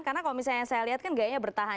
karena kalau misalnya saya lihat kan gayanya bertahan